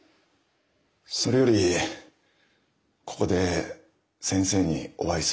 それよりここで先生にお会いするなんて。